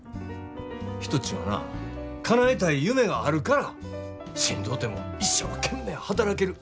人ちゅうんはなかなえたい夢があるからしんどうても一生懸命働ける。